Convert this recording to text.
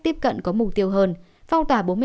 tiếp cận có mục tiêu hơn phong tỏa